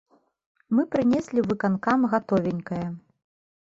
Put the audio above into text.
Мы прынеслі ў выканкам гатовенькае!